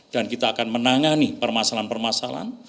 dan kita akan menangani permasalahan permasalahan